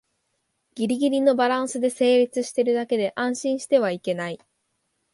ギリギリのバランスで成立してるだけで安心してはいけない